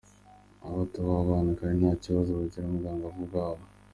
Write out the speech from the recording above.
Abo bana kandi nta bibazo bagira mu bwangavu bwabo.